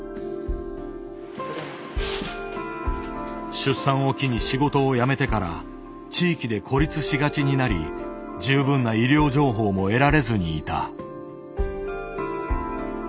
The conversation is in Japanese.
出産を機に仕事を辞めてから地域で孤立しがちになり十分な医療情報も得られずにいた。